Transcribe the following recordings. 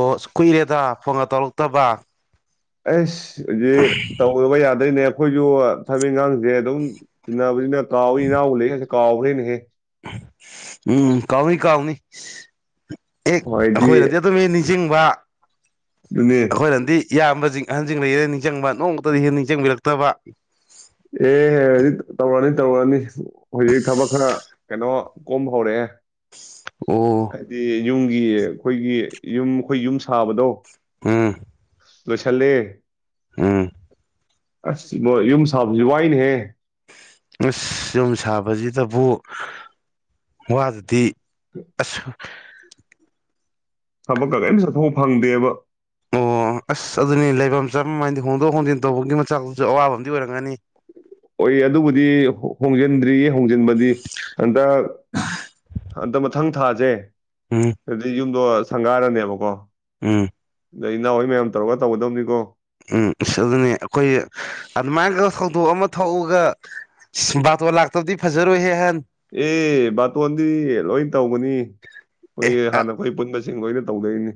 ꯑꯣ ꯀꯨꯏꯔꯦꯗ ꯐꯣꯟꯉ ꯇꯧꯔꯛ ꯇꯕ ꯑꯁ ꯍꯧꯖꯤꯛ ꯇꯧꯕ ꯌꯥꯗꯣꯏꯅꯦ ꯑꯩꯈꯣꯏꯁꯨ ꯊꯕꯛ ꯏꯈꯥꯡꯁꯦ ꯑꯗꯨꯝ ꯆꯤꯟꯅꯕꯅꯤꯅꯥ ꯀꯧꯏ ꯏꯅꯥꯎꯕꯨ ꯂꯩꯀꯥꯁꯦ꯫ ꯀꯥꯎꯒꯔꯦꯅꯦꯍꯦ꯫ ꯎꯝ ꯀꯥꯎꯅꯤ ꯀꯥꯥꯎꯅꯤ ꯑꯦ ꯍꯣꯏꯗꯤ ꯑꯩꯈꯣꯏꯅꯗꯤ ꯑꯗꯨꯝ ꯍꯦꯛ ꯅꯤꯡꯁꯤꯡꯕ ꯑꯗꯨꯅꯤ ꯑꯩꯈꯣꯏ ꯅꯗꯤ ꯏꯌꯥꯝꯕꯁꯤꯡ ꯑꯍꯟꯁꯤꯡ ꯂꯩꯔꯦ ꯅꯤꯡꯁꯤꯡꯕ ꯅꯣꯡꯃꯇꯗꯤ ꯍꯦꯛ ꯅꯤꯡꯁꯤꯡꯕꯤꯔꯛꯇꯕ ꯑꯦ ꯍꯧꯖꯤꯛ ꯇꯧꯔꯅꯤ ꯇꯧꯔꯅꯤ ꯍꯧꯖꯤꯛ ꯊꯕꯛ ꯈꯔ ꯀꯩꯅꯣ ꯀꯣꯝ ꯍꯧꯔꯦ꯫ ꯑꯣ ꯌꯨꯝꯒꯤ ꯑꯩꯈꯣꯏꯒꯤ ꯌꯨꯝ ꯑꯩꯈꯣꯏ ꯌꯨꯝ ꯁꯥꯕꯗꯣ꯫ ꯎꯝ ꯂꯣꯏꯁꯤꯜꯂꯦ꯫ ꯎꯝ ꯑꯁ ꯏꯕꯣ ꯌꯨꯝ ꯁꯥꯕꯁꯤ ꯋꯥꯏꯅꯦꯍꯦ꯫ ꯑꯁ ꯌꯨꯝ ꯁꯥꯕꯁꯤ ꯑꯗꯕꯨ ꯋꯥꯗꯗꯤ ꯑꯁ ꯊꯕꯛꯀ ꯀꯔꯤꯝ ꯆꯠꯊꯣꯛꯄ ꯐꯪꯗꯦꯕ꯫ ꯑꯣ ꯑꯁ ꯑꯗꯨꯅꯤ ꯂꯩꯐꯝ ꯆꯥꯐꯝ ꯍꯥꯏꯗꯤ ꯍꯣꯡꯗꯣꯛ ꯍꯣꯡꯖꯤꯟ ꯇꯧꯕꯒꯤ ꯃꯆꯥꯛꯇꯨꯁꯨ ꯑꯋꯥꯕ ꯑꯃꯗꯤ ꯑꯣꯏꯔꯝꯒꯅꯤ꯫ ꯑꯣꯏ ꯑꯗꯨꯕꯨꯗꯤ ꯍꯣꯡꯖꯤꯟꯗ꯭ꯔꯤꯌꯦ꯫ ꯍꯣꯡꯖꯤꯟꯕꯗꯤ ꯍꯟꯗꯛ ꯍꯟꯗꯛ ꯃꯊꯪ ꯊꯥꯥꯁꯦ ꯎꯝ ꯗꯤꯌꯨꯝꯗꯣ ꯁꯪꯒꯥꯔꯅꯦꯕꯀꯣ ꯑꯝ ꯑꯗ ꯏꯅꯥꯎꯋꯥꯏ ꯃꯌꯥꯝ ꯇꯧꯔꯒ ꯇꯧꯒꯗꯕꯅꯤꯀꯣ ꯎꯝ ꯑꯗꯨꯅꯤ ꯑꯩꯈꯣꯏ ꯑꯗꯨꯃꯥꯏꯅꯒ ꯊꯧꯗꯣꯛ ꯑꯃ ꯊꯣꯛꯑꯒ ꯕꯥꯇꯣꯟ ꯂꯥꯛꯇꯕꯗꯤ ꯐꯖꯔꯣꯏꯍꯦ ꯑꯍꯟ꯫ ꯑꯦ ꯕꯥꯇꯣꯟꯗꯤ ꯂꯣꯏ ꯇꯧꯕꯒꯅꯤ ꯑꯦ ꯑꯩꯈꯣꯏꯒꯤ ꯍꯥꯟꯅ ꯑꯩꯈꯣꯏ ꯄꯨꯟꯕꯁꯤ꯫ ꯁꯤꯡ ꯂꯣꯏꯅ ꯇꯧꯗꯣꯏꯅꯤ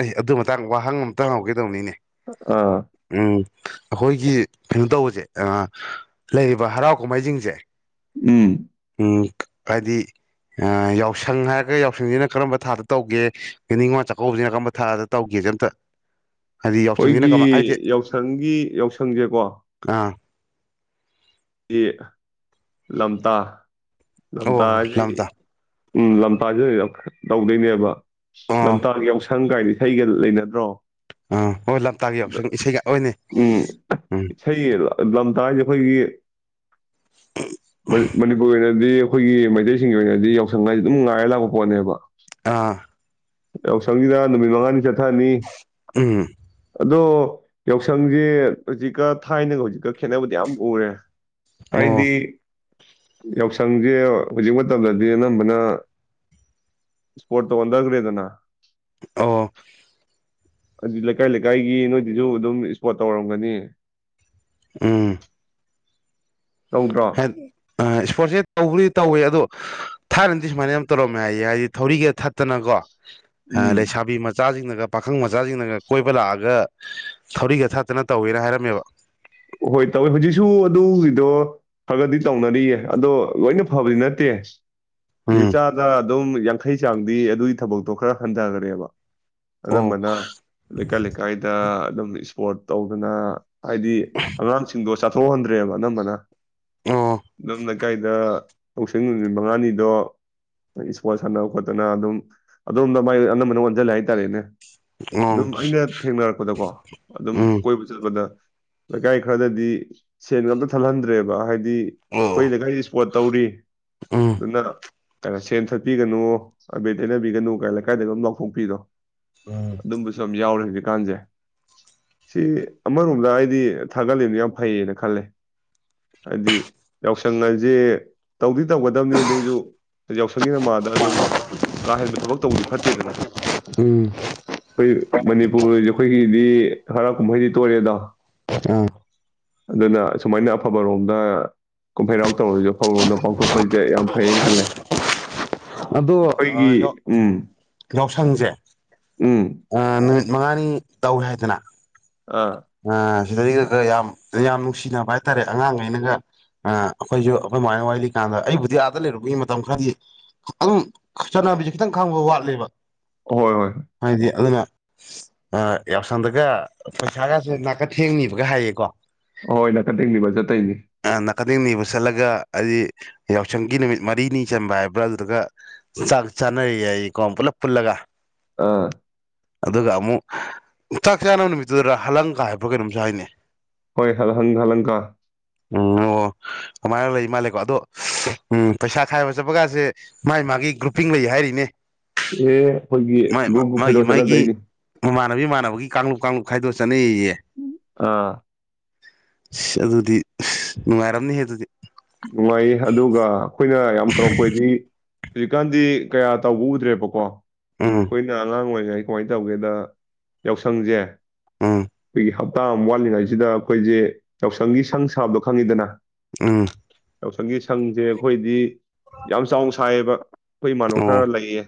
ꯑꯦ ꯑꯗꯨ ꯃꯇꯥꯡꯗ ꯋꯥꯍꯪ ꯑꯃꯇꯪ ꯍꯪꯍꯧꯒꯦꯗꯧꯕꯅꯤꯅꯦ ꯑꯥ ꯎꯝ ꯑꯩꯈꯣꯏꯒꯤ ꯀꯩꯅꯣ ꯇꯧꯕꯁꯦ꯫ ꯂꯩꯔꯤꯕ ꯍꯔꯥꯎ ꯀꯨꯝꯍꯩꯁꯤꯡꯁꯦ ꯎꯝ ꯍꯥꯏꯗꯤ ꯌꯥꯎꯁꯪ ꯍꯥꯏꯔꯒ ꯌꯥꯎꯁꯪꯁꯤꯅ ꯀꯔꯝꯕ ꯊꯥꯗ ꯇꯧꯒꯦ ꯅꯤꯡꯉꯣꯜ ꯆꯥꯛꯀꯧꯕꯁꯤꯅ ꯀꯔꯝꯕ ꯊꯥꯗ ꯇꯧꯒꯦꯁꯦ ꯑꯃꯇ꯫ ꯑꯩꯈꯣꯏꯒꯤ ꯌꯥꯎꯁꯪꯒꯤ ꯌꯥꯎꯁꯪꯁꯦꯀꯣ ꯑꯥ ꯗꯤ ꯂꯝꯇꯥ ꯑꯣ ꯂꯝꯗꯖ ꯂꯝꯇꯥ ꯎꯝ ꯂꯝꯐꯁꯤ ꯇꯧꯗꯣꯏꯅꯦꯕ ꯑꯣ ꯅꯟꯇꯔꯒꯤ ꯁꯪ ꯀꯥꯏꯅ ꯏꯁꯩꯒ ꯂꯩꯅꯗ꯭ꯔꯣ ꯑꯥ ꯍꯣꯏ ꯂꯝꯇꯥꯒꯤ ꯌꯥꯎꯁꯪ ꯏꯁꯩꯒ ꯍꯣꯏꯅꯦ ꯎꯝ ꯎꯝ ꯂꯝꯇꯥꯒꯤ ꯑꯩꯈꯣꯏꯒꯤ ꯃꯅꯤ ꯃꯅꯤꯄꯨꯔ ꯗꯤ ꯑꯩꯈꯣꯏꯒꯤ ꯃꯩꯇꯩꯁꯤꯡꯒꯤ ꯑꯣꯏꯅꯗꯤ ꯌꯥꯎꯁꯪ ꯍꯥꯏꯁꯤ ꯑꯗꯨꯝ ꯉꯥꯏꯔ ꯂꯥꯛꯄ ꯄꯣꯠꯅꯦꯕ ꯑꯥ ꯌꯥꯎꯁꯪꯁꯤꯗ ꯅꯨꯃꯤꯠ ꯃꯉꯥꯅꯤ ꯆꯠꯂ ꯈꯅꯤ ꯎꯝ ꯑꯗꯣ ꯌꯥꯎꯁꯪꯁꯦ ꯍꯧꯖꯤꯛꯀ ꯊꯥꯏꯅꯒ ꯍꯧꯖꯤꯛꯀ ꯈꯦꯠꯅꯕꯗꯤ ꯌꯥꯝ ꯎꯔꯦ ꯑꯣ ꯍꯥꯏꯗꯤ ꯌꯥꯎꯁꯪꯁꯦ ꯍꯧꯖꯤꯛ ꯃꯇꯝꯗꯗꯤ ꯑꯅꯝꯕꯅ ꯏꯁꯄꯣꯔꯠꯠꯇ ꯑꯣꯟꯊꯈ꯭ꯔꯦꯗꯅ ꯑꯣ ꯑꯗꯨ ꯂꯩꯀꯥꯏ ꯂꯩꯀꯥꯏꯒꯤ ꯅꯣꯏꯗꯨꯁꯨ ꯑꯗꯨꯝ ꯏꯁꯄꯣꯔꯠ ꯇꯧꯔꯝꯒꯅꯤ ꯎꯝ ꯇꯧꯗ꯭ꯔꯣ ꯏꯁꯄꯣꯔꯠꯁꯦ ꯇꯧꯕꯔꯤ ꯇꯧꯋꯦ ꯑꯗꯣ ꯊꯥꯔꯗꯤꯁꯨ ꯃꯥꯅꯤ ꯌꯥꯝ ꯇꯧꯔꯝꯃꯦ ꯌꯦ ꯍꯥꯏꯗꯤ ꯊꯧꯔꯤꯒ ꯊꯠꯇꯅꯀꯣ ꯑ ꯎꯝ ꯂꯩꯁꯥꯕꯤ ꯃꯆꯥꯁꯤꯡꯅ ꯄꯥꯈꯪ ꯃꯆꯥꯁꯤꯡꯅꯒ ꯀꯣꯏꯕ ꯂꯥꯛꯑꯒ ꯊꯧꯔꯤꯒ ꯊꯠꯇꯅ ꯇꯧꯋꯦꯅ ꯍꯥꯏꯔꯝꯃꯦꯕ ꯍꯣꯏ ꯇꯧꯋꯦ ꯍꯧꯖꯤꯛꯁꯨ ꯑꯗꯨꯒꯤꯗꯣ ꯈꯔꯒꯗꯤ ꯇꯧꯅꯔꯤꯌꯦ ꯑꯗꯣ ꯂꯣꯏꯅ ꯐꯕꯗꯤ ꯅꯠꯇꯦ ꯎꯝ ꯆꯥꯗ ꯑꯗꯨꯝ ꯌꯥꯡꯈꯩ ꯆꯥꯡꯗꯤ ꯑꯗꯨꯒꯤ ꯊꯕꯛꯇꯣ ꯈꯔ ꯍꯟꯊꯈꯔꯦꯕ ꯑꯣ ꯑꯅꯝꯕꯅ ꯂꯩꯀꯥꯏ ꯂꯩꯀꯥꯏꯗ ꯑꯗꯨꯝ ꯏꯁꯄꯣꯔꯠ ꯇꯧꯗꯅ ꯍꯥꯏꯗꯤ ꯑꯉꯥꯡꯁꯤꯡꯗꯣ ꯆꯥꯊꯣꯛꯍꯟꯗ꯭ꯔꯦꯕ ꯑꯅꯝꯕꯅ ꯑꯣ ꯅꯝꯅ ꯀꯥꯏꯗ ꯂꯧꯁꯤꯡ ꯅꯨꯃꯤꯠ ꯃꯉꯥꯅꯤꯗꯣ ꯏꯁꯄꯣꯔꯠ ꯁꯥꯟꯅꯕ ꯈꯣꯠꯇꯅ ꯑꯗꯨꯝ ꯑꯗꯣꯝꯗ ꯃꯥꯏ ꯑꯅꯝꯕꯅ ꯑꯣꯟꯁꯤꯜꯂꯦ ꯍꯥꯏꯇꯥꯔꯦꯅꯦ ꯑꯣ ꯑꯗꯨꯝ ꯑꯩꯅ ꯊꯦꯡꯅꯔꯛꯄꯗꯀꯣ ꯑꯗꯨꯝ ꯎꯝ ꯀꯣꯏꯕ ꯆꯠꯄꯗ ꯂꯩꯀꯥꯏ ꯈꯔꯗꯗꯤ ꯁꯦꯟ ꯉꯝꯇ ꯊꯜꯍꯟꯗ꯭ꯔꯦꯕ ꯍꯥꯏꯗꯤ ꯑꯣ ꯑꯩꯈꯣꯏ ꯂꯩꯀꯥꯏ ꯏꯁꯄꯣꯔꯠ ꯇꯧꯔꯤ ꯎꯝ ꯅꯅ ꯀꯩꯅꯣ ꯁꯦꯟ ꯊꯠꯄꯤꯒꯅꯨ ꯑꯕꯦꯠ ꯇꯩꯅꯕꯤꯒꯅꯨ ꯀ ꯂꯩꯀꯥꯏꯗꯗꯒꯤ ꯑꯗꯨꯝ ꯂꯥꯎꯊꯣꯛꯄꯤꯔꯣ ꯑꯗꯨꯝꯕꯨ ꯁꯖꯥꯎꯔꯒꯦ ꯍꯧꯖꯤ ꯀꯥꯟꯁꯦ ꯁꯤ ꯑꯃꯔꯣꯝꯗ ꯍꯥꯏꯗꯤ ꯊꯥꯒꯠꯂꯤꯅ ꯌꯥꯝ ꯐꯩꯌꯦꯅ ꯈꯜꯂꯦ ꯍꯥꯏꯗꯤ ꯌꯥꯎꯁꯪ ꯍꯥꯏꯁꯦ ꯇꯧꯗꯤ ꯇꯧꯒꯗꯕꯅꯤ ꯑꯗꯨꯑꯣꯏꯁꯨ ꯌꯥꯎꯁꯪꯒꯤ ꯅꯃꯥꯗ ꯑꯗꯨꯝ ꯀꯥ ꯍꯦꯟꯕ ꯊꯕꯛ ꯇꯧꯕꯗꯤ ꯐꯠꯇꯦꯗꯅ ꯎꯝ ꯑꯩꯈꯣꯏ ꯃꯅꯤꯄꯨꯔꯁꯦ ꯑꯩꯈꯣꯏꯒꯤꯗꯤ ꯍꯔꯥ ꯀꯨꯝꯐꯍꯩꯗꯤ ꯇꯣꯔꯦꯗꯥ ꯑꯥ ꯑꯗꯨꯅ ꯑꯨꯃꯥꯏꯅ ꯑꯐꯕꯔꯣꯝꯗ ꯀꯨꯝꯐꯩꯔꯥꯎ ꯇꯧꯔꯁꯨ ꯑꯐꯕꯔꯣꯝꯗ ꯄꯥꯡꯊꯣꯛꯄꯁꯤꯗ ꯌꯥꯝ ꯐꯩꯌꯦꯅ ꯈꯜꯂꯦ ꯑꯗꯣ ꯑꯩꯈꯣꯏꯒꯤ ꯎꯝ ꯌꯥꯎꯁꯪꯁꯦ ꯎꯝ ꯅꯨꯃꯤꯠ ꯃꯉꯥꯅꯤ ꯇꯧꯏꯦ ꯍꯥꯏꯗꯅ ꯑ ꯁꯤꯗꯩ ꯌꯥꯝ ꯌꯥꯝ ꯅꯨꯡꯁꯤꯅꯕ ꯍꯥꯏꯇꯥꯔꯦ ꯑꯉꯥꯡꯈꯩꯅꯒ ꯑꯩꯈꯣꯏꯁꯨ ꯑꯗꯨꯃꯥꯏꯅ ꯋꯥꯂꯤꯀꯥꯟꯗ ꯑꯩꯕꯨꯗꯤ ꯑꯥꯗ ꯂꯩꯔꯨꯕꯒꯤ ꯃꯇꯝ ꯈꯔꯗꯤ ꯑꯗꯨꯝ ꯆꯠꯅꯕꯤꯁꯦ ꯈꯤꯇꯪ ꯈꯥꯡꯕ ꯋꯥꯠꯂꯦꯕ ꯍꯣꯏ ꯍꯣꯏ ꯍꯥꯏꯗꯤ ꯑꯗꯨꯅ ꯌꯥꯎꯁꯪꯗꯒ ꯄꯩꯁꯥꯒꯁꯨꯦ ꯅꯥꯀ ꯊꯦꯡꯅꯤꯕꯒ ꯍꯥꯏꯌꯦꯀꯣ ꯑꯣꯏ ꯅꯥꯀ ꯇꯦꯡꯅꯤꯕꯖꯇꯩꯅꯤ ꯈꯗꯡ ꯅꯤꯕ ꯆꯠꯂꯒ ꯍꯥꯏꯗꯤ ꯌꯥꯎꯁꯪꯒꯤ ꯅꯨꯃꯤꯠ ꯃꯔꯤꯅꯤ ꯆꯟꯕ ꯍꯥꯏꯕ ꯕ꯭ꯔꯜꯗꯨꯒ ꯆꯥꯛ ꯆꯥꯅꯔꯤꯌꯦ ꯑꯩꯀꯣ ꯄꯨꯂꯞ ꯄꯨꯜꯂꯒ ꯑꯥ ꯑꯗꯨꯒ ꯑꯃꯨꯛ ꯆꯥꯛ ꯆꯥꯅꯕ ꯅꯨꯃꯤꯠꯇꯨꯗꯗ ꯍꯂꯪꯀ ꯍꯥꯏꯞꯕ꯭ꯔꯥ ꯀꯩꯅꯣꯝꯁꯨ ꯍꯥꯏꯅꯤ ꯍꯣꯏ ꯍꯜ ꯍꯪ ꯍꯜꯂꯪꯀꯥ ꯎꯝ ꯑꯣ ꯑꯗꯨꯃꯥꯏꯅ ꯂꯩ ꯃꯥꯜꯂꯦꯀꯣ ꯑꯗꯣ ꯎꯝ ꯄꯩꯁꯥ ꯈꯥꯏꯕ ꯆꯠꯄꯒꯥꯁꯦ ꯃꯥꯥꯏ ꯃꯥꯒꯤ ꯒ꯭ꯔꯨꯄꯤꯡ ꯂꯩ ꯍꯥꯏꯔꯤꯅꯦ ꯑꯦ ꯑꯩꯈꯣꯏꯒꯤ ꯒꯨꯕꯨ ꯈꯩꯗꯣꯛ ꯆꯠꯅꯗꯣꯏꯅꯤ ꯃꯥꯟꯅꯕꯤ ꯃꯥꯟꯅꯕ ꯀꯥꯡꯂꯨꯞ ꯀꯥꯡꯂꯨꯞ ꯈꯥꯏꯗꯣꯛ ꯆꯠꯅꯩ ꯑꯥ ꯑꯗꯨꯗꯤ ꯅꯨꯡꯉꯥꯏꯔꯝꯅꯤ ꯍꯦ ꯑꯗꯨꯗꯤ ꯅꯨꯡꯉꯥꯏ ꯑꯗꯨꯒ ꯑꯩꯈꯣꯏꯅ ꯌꯥꯝ ꯇꯧꯔꯛꯄ ꯍꯥꯏꯗꯤ ꯍꯧꯖꯤꯛꯀꯥꯟꯗꯤ ꯀꯌꯥ ꯇꯧꯕ ꯎꯗ꯭ꯔꯦꯕꯀꯣ ꯎꯝ ꯀꯣꯏꯅ ꯑꯂꯥꯡ ꯑꯣꯏꯣꯏ ꯑꯩ ꯀꯃꯥꯏꯅ ꯇꯧꯒꯦꯗ ꯌꯥꯎꯁꯪꯁꯦ ꯎꯝ ꯑꯩ ꯍꯕ ꯄꯇꯥ ꯑꯃ ꯋꯥꯠꯂꯤꯉꯩꯁꯤꯗ ꯑꯩꯈꯣꯏꯁꯦ ꯌꯥꯎꯁꯪꯒꯤ ꯁꯪ ꯁꯥꯕꯗꯣ ꯈꯪꯉꯤꯗꯅ ꯑꯝ ꯌꯥꯎꯁꯪꯒꯤ ꯁꯪꯁꯦ ꯑꯩꯈꯣꯏꯗꯤ ꯌꯥꯝ ꯆꯥꯎꯅ ꯁꯥꯏꯌꯦꯕ ꯑꯩꯈꯣꯏ ꯏꯃꯥꯅꯣ ꯑꯣ ꯈꯔ ꯂꯩꯌꯦ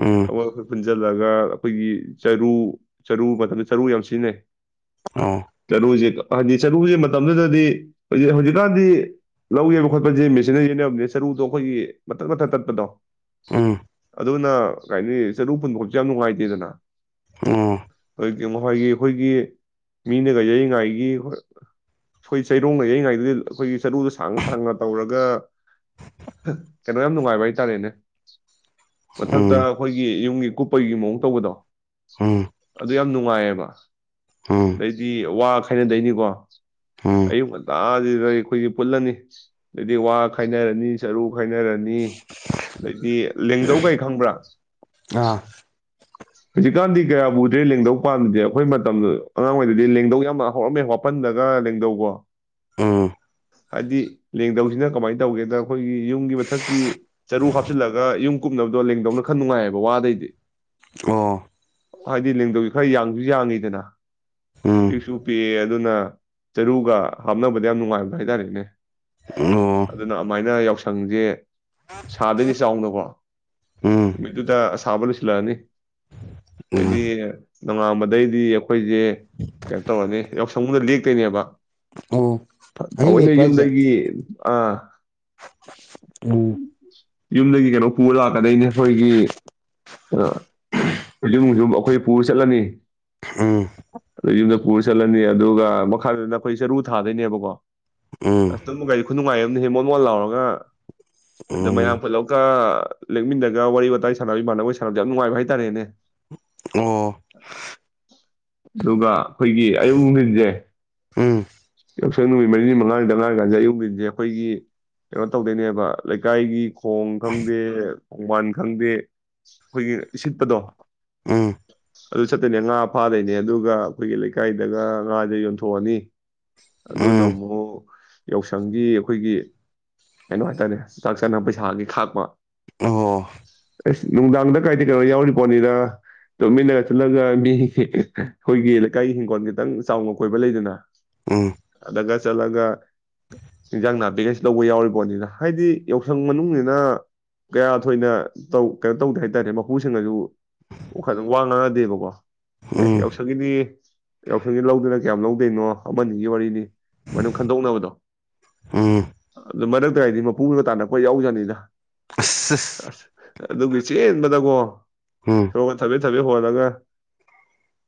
ꯎꯝ ꯑꯃ ꯑꯩꯈꯣꯏ ꯄꯨꯟꯁꯤꯜꯂꯒ ꯑꯩꯈꯣꯏꯒꯤ ꯆꯔꯨ ꯆꯔꯨ ꯃꯇꯝꯗ ꯆꯔꯨ ꯌꯥꯝ ꯁꯤꯖꯤꯟꯅꯩ ꯑꯣ ꯇꯅꯖꯤ ꯍꯥꯏꯗꯤ ꯆꯔꯨꯁꯤ ꯃꯇꯝꯗꯨꯗꯗꯤ ꯍꯧꯖꯤꯛ ꯍꯧꯖꯤꯛꯀꯥꯟꯗꯤ ꯂꯧꯒꯦꯕ ꯈꯣꯠꯄꯁꯦ ꯃꯦꯆꯤꯟꯅ ꯌꯦꯟꯅꯕꯅꯤ ꯆꯔꯨꯗꯣ ꯑꯩꯈꯣꯏꯒꯤ ꯃꯊꯛ ꯃꯊꯛ ꯇꯠꯄꯗꯣ ꯎꯝ ꯑꯗꯨꯅ ꯀꯩꯅꯤ ꯆꯔꯨ ꯄꯨꯟꯐꯥꯎꯁꯨ ꯌꯥꯝ ꯅꯨꯡꯉꯥꯏꯇꯦꯗꯅ ꯑꯣ ꯍꯧꯖꯤꯛꯇꯤ ꯃꯈꯣꯏꯒꯤ ꯑꯩꯈꯣꯏꯒꯤ ꯃꯤꯅꯒ ꯌꯔꯤꯉꯩꯒꯤ ꯆꯩꯔꯣꯡꯅ ꯌꯔꯤꯉꯩꯗꯨꯗꯤ ꯑꯩꯈꯣꯏꯒꯤ ꯆꯔꯨꯗ ꯁꯥꯡꯅ ꯁꯥꯡꯅ ꯇꯧꯔꯒ ꯀꯩꯅꯣ ꯌꯥꯝ ꯅꯨꯡꯉꯥꯏꯕ ꯍꯥꯏꯇꯥꯔꯦꯅꯦ ꯃꯊꯛꯇ ꯎꯝ ꯑꯩꯈꯣꯏꯒꯤ ꯌꯨꯝꯒꯤ ꯀꯨꯞꯄꯒꯤ ꯃꯑꯣꯡ ꯇꯧꯕꯗꯣ ꯎꯝ ꯑꯗꯨ ꯌꯥꯝ ꯅꯨꯡꯉꯥꯏꯌꯦꯕ ꯎꯝ ꯑꯗꯩꯗꯤ ꯋꯥ ꯈꯥꯏꯅꯗꯩꯅꯤꯀꯣ ꯎꯝ ꯑꯌꯨꯛ ꯉꯟꯇꯥꯁꯤꯗ ꯑꯩꯈꯣꯏꯒꯤ ꯄꯨꯜꯂꯅꯤ ꯑꯗꯩꯗꯤ ꯋꯥ ꯈꯥꯏꯅꯔꯅꯤ ꯆꯔꯨ ꯈꯥꯏꯅꯔꯅꯤ ꯑꯗꯩꯗꯤ ꯂꯦꯡꯗꯧꯈꯩ ꯈꯪꯕ꯭ꯔꯥ ꯑꯥ ꯍꯧꯖꯤꯛꯀꯥꯟꯗꯤ ꯀꯌꯥ ꯎꯗ꯭ꯔꯦ ꯂꯦꯡꯗꯧ ꯄꯥꯟꯕꯁꯦ ꯑꯩꯈꯣꯏ ꯃꯇꯝꯗ ꯑꯉꯥꯡꯉꯩꯗꯗꯤ ꯂꯦꯡꯗꯧ ꯌꯥꯝ ꯍꯧꯔꯝꯃꯦ ꯋꯥꯄꯜꯗꯒ ꯂꯦꯡꯗꯧꯀꯣ ꯎꯝ ꯍꯥꯏꯗꯤ ꯂꯦꯡꯗꯧꯁꯤꯅ ꯀꯃꯥꯏꯅ ꯇꯧꯒꯦꯗ ꯑꯩꯈꯣꯏꯒꯤ ꯌꯨꯝꯒꯤ ꯃꯊꯛꯀꯤ ꯆꯔꯨ ꯍꯥꯞꯆꯤꯜꯂꯒ ꯌꯨꯝ ꯀꯨꯞꯅꯕꯗꯣ ꯂꯦꯡꯗꯧꯅ ꯈꯔ ꯅꯨꯡꯉꯥꯏꯌꯦꯕ ꯋꯥꯗꯩꯗꯤ ꯑꯣ ꯍꯥꯏꯗꯤ ꯂꯦꯡꯗꯧꯁꯤ ꯈꯔ ꯌꯥꯡꯁꯨ ꯌꯥꯡꯉꯤꯗꯅ ꯎꯝ ꯄꯤꯛꯁꯨ ꯄꯤꯛꯑꯦ ꯑꯗꯨꯅ ꯆꯔꯨꯒ ꯍꯥꯞꯅꯕꯗ ꯌꯥꯝ ꯅꯨꯡꯉꯥꯏꯕ ꯚꯗꯔꯦꯅꯦ ꯑꯣ ꯑꯗꯨꯃꯥꯏꯅ ꯌꯥꯎꯁꯪꯁꯦ ꯁꯥꯗꯣꯏꯅꯤ ꯆꯥꯎꯅꯀꯣ ꯎꯝ ꯅꯨꯃꯤꯠꯇꯨꯗ ꯑꯁꯥꯕ ꯂꯣꯏꯁꯤꯜꯂꯛꯑꯅꯤ ꯎꯝ ꯑꯗꯨꯗꯤ ꯅꯉꯥꯕꯗꯩꯗꯤ ꯑꯩꯈꯣꯏꯁꯦ ꯀꯩꯅꯣ ꯇꯧꯔꯅꯤ ꯌꯥꯎꯁꯪꯒꯨꯝꯗ ꯂꯦꯛꯇꯣꯏꯅꯦꯕ ꯑꯣ ꯑꯍꯤꯡ ꯊꯑꯣꯏꯅ ꯂꯦꯛꯄ꯭ꯔꯥ ꯍꯥꯏꯖꯦ ꯌꯨꯝꯗꯒꯤ ꯑꯥ ꯎꯝ ꯌꯨꯝꯗꯒꯤ ꯀꯩꯅꯣ ꯄꯨꯕ ꯂꯥꯛꯀꯗꯣꯏꯅꯦ ꯑꯩꯈꯣꯏꯒꯤ ꯑ ꯌꯨꯝꯁꯨ ꯑꯩꯈꯣꯏ ꯄꯨꯔ ꯆꯠꯂꯅꯤ ꯎꯝ ꯑꯗ ꯌꯨꯝꯗ ꯄꯨꯔ ꯆꯠꯂꯅꯤ ꯑꯗꯨꯒ ꯃꯈꯥꯗꯅ ꯑꯩꯈꯣꯏ ꯆꯔꯨ ꯊꯥꯗꯣꯏꯅꯦꯕꯀꯣ ꯎꯝ ꯑꯁꯇꯨꯝ ꯀꯒꯥꯗ ꯈꯨꯅꯨꯡꯉꯥꯏ ꯑꯃꯅꯦ ꯍꯦ ꯃꯣꯠ ꯃꯣꯠ ꯂꯥꯎꯔꯒ ꯑꯗ ꯃꯣꯏꯔꯥꯡ ꯎꯝ ꯄꯨꯠꯂꯞꯒ ꯂꯦꯛꯃꯤꯟꯅꯒ ꯋꯥꯔꯤ ꯋꯥꯇꯥꯏ ꯁꯥꯟꯅꯕ ꯏꯃꯥꯟꯅꯕ ꯁꯥꯟꯅꯕꯗ ꯌꯥꯝ ꯅꯨꯡꯉꯥꯏꯕ ꯍꯥꯏꯇꯥꯔꯦꯅꯦ [inaudible] ꯑꯣ ꯑꯗꯨꯒ ꯑꯩꯈꯣꯏꯒꯤ ꯑꯌꯨꯛ ꯅꯨꯡꯊꯤꯟꯁꯦ ꯎꯝ ꯌꯥꯎꯁꯪ ꯅꯨꯃꯤꯠ ꯃꯔꯤꯅꯤ ꯃꯉꯥꯅꯤꯗꯉꯥꯡ ꯀꯥꯟꯁꯦ ꯑꯌꯨꯛ ꯅꯨꯡꯟꯁꯦ ꯑꯩꯈꯣꯏꯒꯤ ꯀꯩꯅꯣ ꯇꯧꯗꯣꯏꯅꯦꯕ ꯂꯩꯀꯥꯏꯒꯤ ꯈꯣꯡ ꯈꯪꯗꯦ ꯈꯣꯡꯕꯥꯟ ꯈꯪꯗꯦ ꯑꯩꯈꯣꯏꯒꯤ ꯁꯤꯠꯄꯗꯣ ꯎꯝ ꯑꯗꯨ ꯆꯠꯇꯣꯏꯅꯦ ꯉꯥ ꯐꯥꯗꯣꯏꯅꯦ ꯑꯗꯨꯒ ꯑꯩꯈꯣꯏꯒꯤ ꯂꯩꯀꯥꯏꯗꯒ ꯉꯥꯁꯦ ꯌꯣꯟꯊꯣꯛꯑꯅꯤ ꯑꯗꯨꯅ ꯎꯝ ꯑꯃꯨꯛ ꯌꯥꯎꯁꯪꯒꯤ ꯑꯩꯈꯣꯏꯒꯤ ꯀꯩꯅꯣ ꯍꯥꯏꯇꯥꯔꯦ ꯆꯥꯛ ꯆꯥꯅꯕ ꯄꯩꯁꯥꯒꯤ ꯈꯥꯛꯄ ꯑꯣ ꯑꯦꯁ ꯅꯨꯡꯗꯥꯡꯗ ꯀꯥꯏꯗ ꯀꯩꯅꯣ ꯌꯥꯎꯔꯤ ꯄꯣꯠꯅꯤꯗ ꯇꯣꯃꯤꯟꯅꯒ ꯆꯠꯂꯒ ꯃꯤ ꯑꯩꯈꯣꯏꯒꯤ ꯂꯩꯀꯥꯏꯒꯤ ꯍꯤꯡꯈꯣꯜ ꯈꯤꯇꯪ ꯆꯥꯎꯅ ꯀꯣꯏꯕ ꯂꯩꯗꯅ ꯑ ꯑꯗꯨꯒ ꯆꯠꯂꯒ ꯏꯟꯖꯥꯡ ꯅꯥꯄꯤꯒꯩꯁ ꯂꯧꯕ ꯌꯥꯎꯔꯤꯔꯤꯕꯣꯅꯤꯅ ꯍꯥꯏꯗꯤ ꯌꯥꯎꯁꯪ ꯃꯅꯨꯡꯁꯤꯅ ꯀꯌꯥ ꯊꯣꯏꯅꯧ ꯀꯩꯅꯣ ꯇꯧꯗꯦ ꯍꯥꯏꯇꯥꯔꯦ ꯃꯄꯨꯁꯤꯡꯅꯁꯨ ꯑꯣ ꯈꯇꯪ ꯋꯥ ꯉꯥꯡꯅꯗꯦꯕꯀꯣ ꯑꯦ ꯎꯝ ꯌꯥꯎꯁꯥꯒꯤꯗꯤ ꯌꯥꯎꯁꯪꯒꯤ ꯂꯧꯗꯅ ꯀꯌꯥꯝ ꯂꯧꯗꯣꯏꯅꯣ ꯑꯃꯅꯤꯒꯤ ꯋꯥꯔꯤꯅꯤ ꯃꯅꯝ ꯈꯟꯗꯣꯛꯅꯕꯗꯣ ꯎꯝ ꯑꯗꯨ ꯃꯔꯛꯇ ꯍꯥꯏꯗꯤ ꯃꯄꯨꯗꯨꯒ ꯇꯥꯟꯅꯛꯄ ꯌꯥꯎꯖꯥꯅꯤꯗ ꯑꯁ ꯑ ꯑꯗꯨꯒꯤ ꯆꯦꯟꯕꯗꯀꯣ ꯍꯣꯃꯟ ꯊꯕꯦ ꯁꯦ ꯍꯋꯥꯗꯒ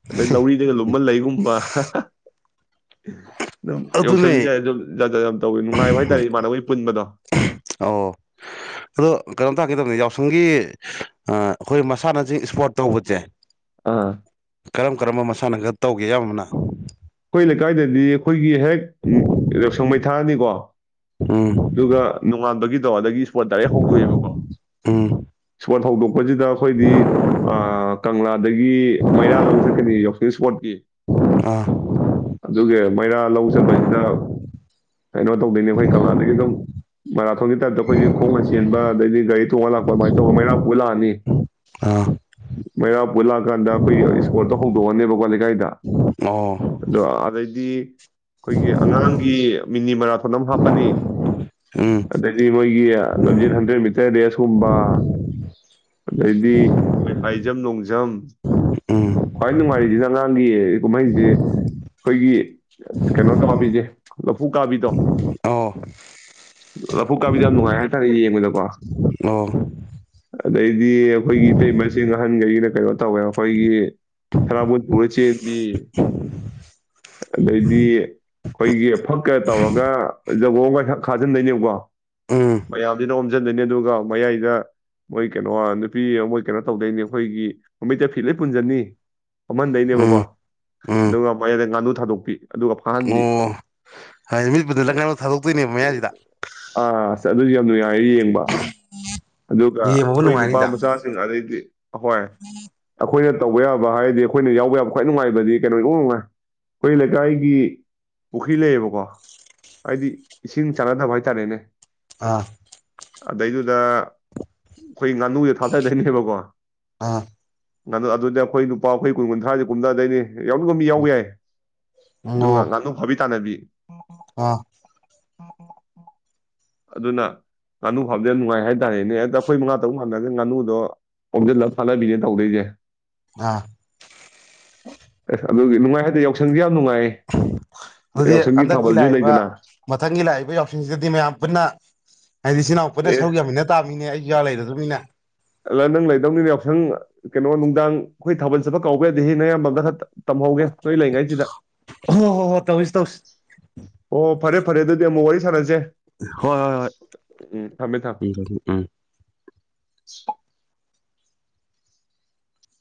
ꯑꯗꯩ ꯂꯧꯔꯤꯗꯩꯒ ꯂꯨꯝꯃ ꯂꯩꯒꯨꯝꯕ ꯎꯝ ꯑꯗꯨꯝ ꯑꯦꯎꯁꯪꯗꯤ ꯌꯥꯖ ꯑꯣꯧ ꯑꯗꯣ ꯀꯩꯅꯣꯝ ꯇꯥꯛꯒꯗꯕꯅꯤ ꯌꯥꯎꯁꯪꯒꯤ ꯑꯩꯈꯣꯏ ꯃꯁꯥꯟꯅꯁꯤ ꯏꯁꯄꯣꯔꯠ ꯇꯧꯕꯁꯦ ꯑꯥ ꯀꯔꯝ ꯀꯔꯝꯕ ꯃꯁꯥꯟꯅ ꯈ ꯇꯧꯒꯦ ꯑꯌꯥꯝꯕꯅ ꯑꯩꯈꯣꯏ ꯂꯩꯀꯥꯏꯗꯗꯤ ꯑꯩꯈꯣꯏꯒꯤ ꯍꯦꯛ ꯌꯥꯎꯁꯪ ꯃꯩꯊꯥꯅꯤꯀꯣ ꯎꯝ ꯑꯗꯨꯒ ꯅꯣꯡꯉꯥꯟꯕꯒꯤ ꯋꯥꯗꯒ ꯄꯣꯠ ꯗꯥꯏꯔꯦꯛ ꯍꯧꯗꯣꯛꯑꯦꯕꯀꯣ ꯎꯝ ꯏꯁꯄꯣꯔꯠ ꯍꯧꯗꯣꯛꯄꯁꯤꯗ ꯑꯩꯈꯣꯏꯗꯤ ꯀꯪꯂꯥꯗꯒꯤ ꯃꯩꯔꯥ ꯂꯧ ꯆꯠꯀꯅꯤ ꯌꯥꯎꯁꯪ ꯏꯁꯄꯣꯔꯠꯀꯤ ꯑꯥ ꯑꯗꯨꯒꯤ ꯃꯩꯔꯥ ꯂꯧ ꯆꯠꯄꯁꯤꯗ ꯀꯩꯅꯣ ꯇꯧꯗꯣꯏꯅꯤ ꯑꯩꯈꯣꯏ ꯀꯪꯂꯥꯗꯒꯤ ꯑꯗꯨꯝ ꯃꯩꯔꯥ ꯈꯪꯒꯤ ꯇꯥꯏꯞꯇ ꯑꯩꯈꯣꯏꯒꯤ ꯈꯣꯡꯅ ꯆꯦꯟꯕ ꯑꯗꯩꯗꯤ ꯒꯥꯔꯤ ꯇꯣꯡꯉ ꯂꯥꯛꯄ ꯑꯗꯨꯃꯥꯏꯅ ꯇꯧꯔ ꯃꯩꯔꯥ ꯄꯨ ꯂꯥꯛꯑꯅꯤ ꯑꯥ ꯃꯩꯔꯥ ꯄꯨ ꯂꯥꯛꯑꯀꯥꯟꯗ ꯑꯩꯈꯣꯏꯒꯤ ꯏꯁꯀꯣꯔꯜꯇ ꯍꯧꯗꯣꯛꯑꯅꯦꯕꯀꯣ ꯂꯩꯀꯥꯏꯗ ꯑꯣ ꯑꯗꯣ ꯑꯗꯩꯗꯤ ꯑꯩꯈꯣꯏꯒꯤ ꯑꯉꯥꯡꯒꯤ ꯃꯤꯅꯤ ꯃꯔꯥꯊꯣꯟ ꯑꯃ ꯍꯥꯞꯄꯅꯤ ꯎꯝ ꯑꯗꯩꯗꯤ ꯃꯣꯏꯒꯤ ꯂꯝꯖꯦꯜ ꯍꯟꯗ꯭ꯔꯦꯠ ꯃꯤꯇꯔ ꯔꯦꯁꯀꯨꯝꯕ ꯑꯗꯩꯗꯤ ꯑꯩꯈꯣꯏ ꯍꯥꯏꯖꯝ ꯅꯣꯡ ꯖꯝ ꯎꯝ ꯈ꯭ꯋꯥꯏ ꯅꯨꯡꯉꯥꯏꯔꯤꯁꯤꯅ ꯑꯉꯥꯡꯒꯤ ꯀꯨꯝꯍꯩꯁꯦ ꯑꯩꯈꯣꯏꯒꯤ ꯀꯩꯅꯣ ꯀꯥꯕꯤꯁꯦ ꯂꯐꯨ ꯀꯥꯕꯤꯗꯣ ꯑꯣ ꯂꯐꯨ ꯀꯥꯕꯤꯗꯣ ꯌꯥꯝ ꯅꯨꯡꯉꯥꯏ ꯍꯥꯏꯇꯥꯔꯦ ꯌꯦꯡꯕꯗꯀꯣ ꯑꯣ ꯑꯗꯩꯗꯤ ꯑꯩꯈꯣꯏꯒꯤ ꯏꯇꯩ ꯃꯁꯦ ꯑꯍꯟꯈꯩꯅ ꯀꯩꯅꯣ ꯇꯧꯋꯦ ꯑꯩꯈꯣꯏꯒꯤ ꯁꯔꯥꯕꯣꯟ ꯄꯨꯔ ꯆꯦꯗꯤ ꯑꯗꯩꯗꯤ ꯑꯩꯈꯣꯏꯒꯤ ꯐꯛꯀ ꯇꯧꯔꯒ ꯖꯒꯣꯒꯈ ꯈꯥꯖꯤꯟꯗꯣꯏꯅꯦꯕꯀꯣ ꯎꯝ ꯃꯌꯥꯝꯁꯤꯅ ꯑꯣꯝꯁꯤꯟꯗꯣꯏꯅꯦ ꯑꯗꯨꯒ ꯃꯌꯥꯏꯗ ꯃꯣꯏ ꯀꯩꯅꯣ ꯅꯨꯄꯤ ꯃꯣꯏ ꯀꯩꯅꯣ ꯇꯧꯗꯣꯏꯅꯦ ꯑꯩꯈꯣꯏꯒꯤ ꯃꯃꯤꯠꯇ ꯐꯤ ꯂꯣꯏ ꯄꯨꯟꯁꯤꯟꯅꯤ ꯑꯣꯝꯍꯟꯗꯣꯏꯅꯦꯕꯀꯣ ꯎꯝ ꯎꯝ ꯑꯗꯨꯒ ꯃꯣꯏꯗ ꯉꯥꯅꯨ ꯊꯥꯗꯣꯛꯄꯤ ꯐꯥꯍꯟꯕꯤ ꯑꯣ ꯍꯥꯏ ꯃꯤꯠꯄꯨꯗꯨ ꯂꯪꯉ ꯊꯥꯗꯣꯛꯇꯣꯏꯅꯦꯕ ꯃꯌꯥꯁꯤꯗ ꯑꯗꯨ ꯌꯥꯝ ꯌꯥ ꯍꯥꯏ ꯌꯦꯡꯕ ꯑꯗꯨꯒ ꯌꯦꯡꯕꯕꯨ ꯑꯩꯈꯣꯏ ꯅꯨꯄꯥ ꯅꯨꯡꯉꯥꯏꯅꯤꯗ ꯃꯆꯥꯁꯤꯡ ꯑꯗꯩꯗꯤ ꯑꯍꯣꯏ ꯑꯩꯈꯣꯏꯅ ꯇꯧꯕ ꯌꯥꯕ ꯍꯥꯏꯔꯗꯤ ꯑꯩꯈꯣꯏꯅ ꯌꯥꯎꯕ ꯌꯥꯕ ꯈ꯭ꯋꯥꯏ ꯅꯨꯡꯉꯥꯏꯕꯗꯤ ꯀꯩꯅꯣ ꯏꯉꯨꯡꯅꯨꯡꯉꯥꯏ ꯑꯩꯈꯣꯏ ꯂꯩꯀꯥꯏꯒꯤ ꯄꯨꯈ꯭ꯔꯤ ꯂꯩꯌꯦꯕꯀꯣ ꯍꯥꯏꯗꯤ ꯏꯁꯤꯡ ꯆꯥꯟꯅꯗꯕ ꯍꯥꯏꯇꯥꯔꯦꯅꯦ ꯑꯥ ꯑꯗꯩꯗꯨꯗ ꯑꯩꯈꯣꯏ ꯉꯥꯅꯨꯗ ꯊꯥꯗꯗꯣꯏꯅꯦꯕꯀꯣ ꯑꯥ ꯑꯗꯨꯅꯦ ꯑꯩꯈꯣꯏ ꯅꯨꯄꯥ ꯑꯩꯈꯣꯏ ꯀꯨꯟ ꯀꯨꯟꯊ꯭ꯔꯥꯁꯦ ꯀꯨꯝꯊꯗꯣꯏꯅꯤ ꯌꯥꯎꯅꯤꯡ ꯃꯤ ꯌꯥꯎ ꯌꯥꯏ ꯑꯗꯨꯒ ꯑꯣ ꯉꯥꯅꯨ ꯐꯥꯕꯤ ꯇꯥꯟꯅꯕꯤ ꯑꯥ ꯑꯗꯨꯅ ꯉꯥꯅꯨ ꯐꯞꯖꯜ ꯅꯨꯡꯉꯥꯏ ꯍꯥꯏꯇꯥꯔꯦꯅꯦꯛꯇ ꯑꯩꯈꯣꯏ ꯃꯉꯥ ꯇꯔꯨꯛ ꯍꯜꯊꯔꯒ ꯉꯥꯅꯨꯗꯣ ꯍꯥꯎꯖꯤꯜꯂꯒ ꯐꯥꯠꯅꯕꯤꯅꯦ ꯇꯧꯗꯣꯏꯁꯦ ꯑꯥ ꯑꯁ ꯑꯗꯨꯒꯤ ꯅꯨꯡꯉꯥꯏ ꯍꯥꯏꯗꯦ ꯌꯥꯎꯁꯪꯗꯤ ꯌꯥꯝ ꯅꯨꯡꯉꯥꯏ ꯑꯗꯨꯗꯤ ꯌꯥꯎꯁꯪꯒꯤ ꯍꯟꯗꯛꯀꯤ ꯊꯥꯕꯜꯁꯨ ꯂꯥꯛꯏꯕ ꯂꯩꯗꯅ ꯃꯊꯪꯒꯤ ꯂꯥꯛꯏꯕ ꯌꯥꯎꯁꯤꯡꯁꯤꯗꯗꯤ ꯃꯌꯥꯝ ꯄꯨꯟꯅ ꯍꯥꯏꯗꯤ ꯏ ꯏꯅꯥꯎꯄꯗ ꯑꯦ ꯁꯔꯨꯛ ꯌꯥꯃꯤꯟꯅ ꯇꯥꯃꯤꯅꯦ ꯑꯩꯁꯨ ꯂꯩꯔꯗꯃꯤꯅ ꯑ ꯅꯪ ꯂꯩꯗꯧꯅꯤꯅ ꯌꯥꯎꯁꯪ ꯀꯩꯅꯣ ꯅꯨꯡꯗꯥꯡ ꯑꯩꯈꯣꯏ ꯊꯥꯕꯜ ꯆꯠꯄ ꯀꯥꯎꯒ꯭ꯔꯗꯤ ꯍ ꯅ ꯑꯌꯥꯝꯕꯒ ꯈꯔ ꯇꯝꯍꯧꯒꯦ ꯅꯣꯏ ꯂꯩꯉꯩꯁꯤꯗ ꯍ ꯍꯣ ꯍꯣ ꯇꯧꯁꯤ ꯇꯧꯁꯤ ꯑꯣ ꯐꯔꯦ ꯐꯔꯦ ꯑꯗꯨꯗꯤ ꯑꯃꯨꯛ ꯋꯥꯔꯤ ꯁ ꯁꯥꯅꯁꯦ ꯍꯣꯏ ꯍꯣꯏ ꯍꯣꯏ ꯎꯝ ꯎꯝ ꯁ